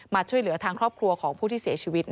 ช่วยเหลือทางครอบครัวของผู้ที่เสียชีวิต